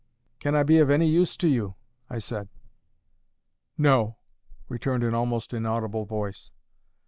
"Can I be of any use to you?" I said. "No," returned an almost inaudible voice.